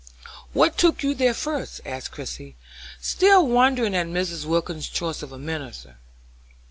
"What took you there first?" asked Christie, still wondering at Mrs. Wilkins's choice of a minister.